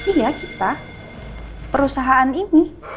iya kita perusahaan ini